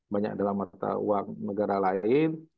banyak dalam mata uang negara lain